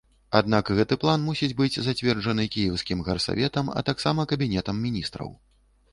Аднак гэты план мусіць быць зацверджаны кіеўскім гарсаветам, а таксама кабінетам міністраў.